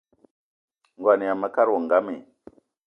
Ngo yama mekad wo ngam i?